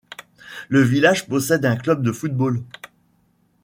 Le village possède un club de football.